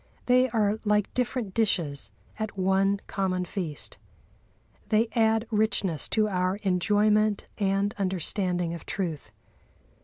They are like different dishes at one common feast. They add richness to our enjoyment and understanding of truth.